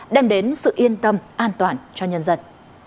đem đến sự yên tâm an toàn cho nhân dân